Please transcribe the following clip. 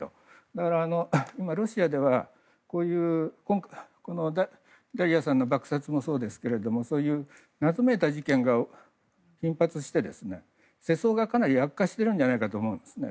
だから今、ロシアではダリヤさんの爆殺もそうですけどそういう謎めいた事件が頻発して世相が、かなり悪化しているんじゃないかと思うんですね。